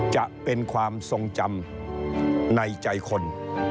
จะเป็นความทรงจำในใจคน